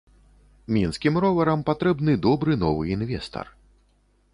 Мінскім роварам патрэбны добры новы інвестар.